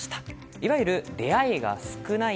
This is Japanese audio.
いわゆる出会いが少ない